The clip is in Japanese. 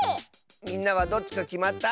みんなはどっちかきまった？